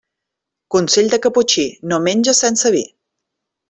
Consell de caputxí: no menges sense vi.